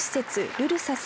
ルルサス